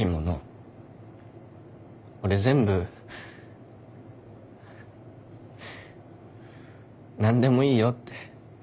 俺全部何でもいいよって。